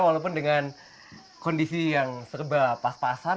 walaupun dengan kondisi yang serba pas pasan